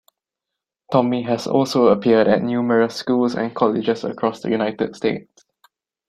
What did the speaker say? Tommy has also appeared at numerous schools and colleges across the United States.